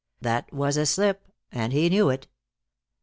That was a slip, and he knew it.